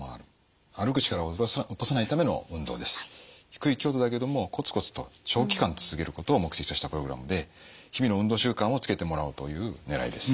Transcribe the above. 低い強度だけれどもコツコツと長期間続けることを目的としたプログラムで日々の運動習慣をつけてもらおうというねらいです。